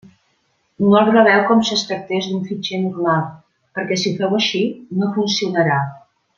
No el graveu com si es tractés d'un fitxer normal, perquè si ho feu així NO FUNCIONARÀ.